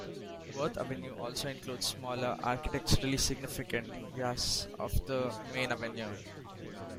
Worth Avenue also includes smaller, architecturally significant "vias" off the main avenue.